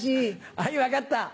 あい分かった。